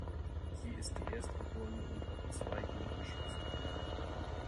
Sie ist die Erstgeborene und hat zwei jüngere Schwestern.